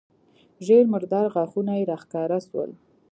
ژېړ مردار غاښونه يې راښکاره سول.